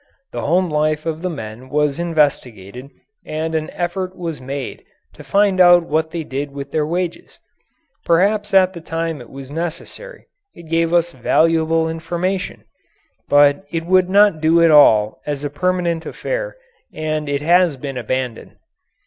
The home life of the men was investigated and an effort was made to find out what they did with their wages. Perhaps at the time it was necessary; it gave us valuable information. But it would not do at all as a permanent affair and it has been abandoned.